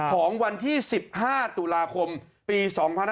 ของวันที่๑๕ตุลาคมปี๒๕๖๒